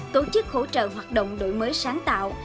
tổ chức hỗ trợ hoạt động đổi mới sáng tạo